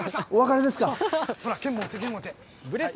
ほら、剣持って、剣持って。